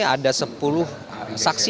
ada sepuluh saksi